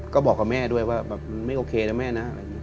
ก็บอกกับแม่ด้วยว่าไม่โอเคนะแม่นะ